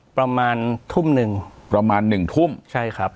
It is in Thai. ประมาณทุ่มหนึ่งประมาณหนึ่งทุ่มใช่ครับ